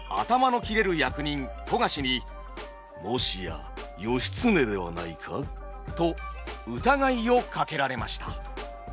役人富樫に「もしや義経ではないか？」と疑いをかけられました。